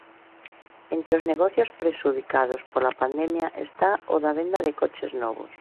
Entre os negocios prexudicados pola pandemia está o da venda de coches novos.